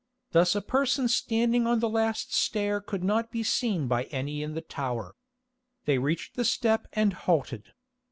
Thus a person standing on the last stair could not be seen by any in the tower. They reached the step and halted.